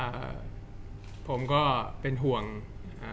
จากความไม่เข้าจันทร์ของผู้ใหญ่ของพ่อกับแม่